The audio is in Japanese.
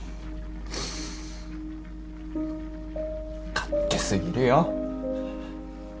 勝手過ぎるよ。